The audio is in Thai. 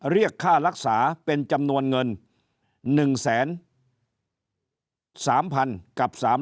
เรียกค่ารักษาเป็นจำนวนเงินหนึ่งแสนสามพันกับสาม